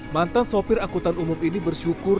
mantan sopir angkutan umum ini bersyukur